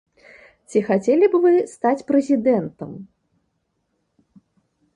Ці хацелі б вы стаць прэзідэнтам?